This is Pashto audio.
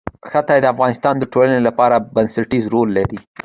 ښتې د افغانستان د ټولنې لپاره بنسټيز رول لري.